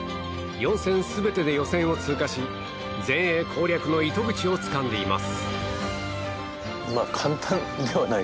４戦全てで予選を通過し全英攻略の糸口をつかんでいます。